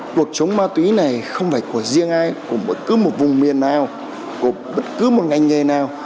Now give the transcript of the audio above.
cuộc chống ma túy này không phải của riêng ai của bất cứ một vùng miền nào của bất cứ một ngành nghề nào